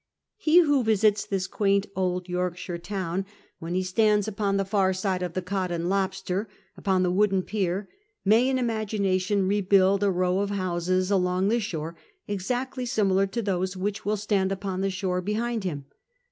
He who visits this quaint old Yorkshire town, when 10 CAPTAIN COOK CHAP. he stands upon the far side of the Goi and Lobster^ upon the wooden pier, may in imagination rebuild a row of houses along the shore exactly similar to those which still stand upon the shore behind him.